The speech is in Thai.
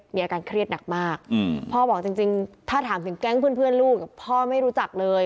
มีอาการเครียดหนักมากพ่อบอกจริงถ้าถามถึงแก๊งเพื่อนลูกพ่อไม่รู้จักเลย